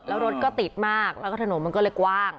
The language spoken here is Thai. แล้วรถก็ติดมากแล้วถนนก็เร็วกว้าง